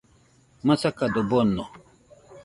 Masakado bono